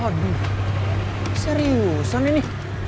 waduh seriusan ini